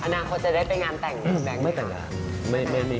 อนามเขาจะได้ไปงานแต่งเหรอแบงก์เนี่ยครับครับไม่แต่งงาน